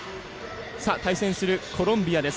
対戦するコロンビアです。